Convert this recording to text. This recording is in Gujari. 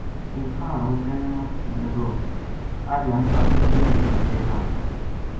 اونٹھاں ہاڑو کہن لگو اج ہم اپنی بہن کے ڈیرے رہاں گا